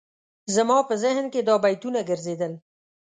زما په ذهن کې دا بیتونه ګرځېدل.